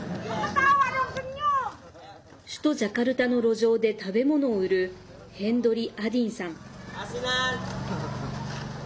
首都ジャカルタの路上で食べ物を売るヘンドリ・アディンさん。